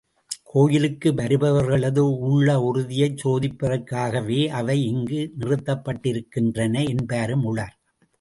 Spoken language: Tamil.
கோயிலுக்கு வருபவர்களது உள்ள உறுதியைச் சோதிப்பதற்காகவே அவை இங்கு நிறுத்தப்பட்டிருக்கின்றன என்பாரும் உளர்.